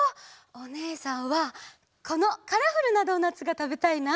おねえさんはこのカラフルなドーナツがたべたいな！